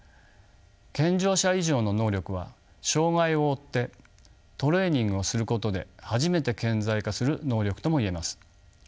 健常者以上の能力は障がいを負ってトレーニングをすることで初めて顕在化する能力とも言えます。